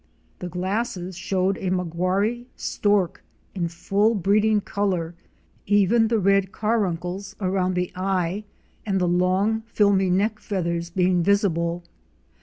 The glasses showed a Maguari Stork * in full breeding color; even the red caruncles around the eye and the long, filmy neck feathers being visible.